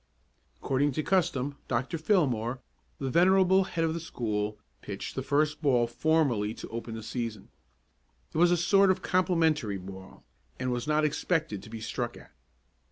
According to custom, Dr. Fillmore, the venerable head of the school, pitched the first ball formally to open the season. It was a sort of complimentary ball, and was not expected to be struck at.